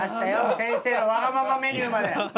先生のわがままメニューまで！